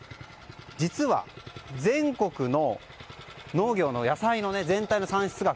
実は、全国の農業の野菜全体の産出額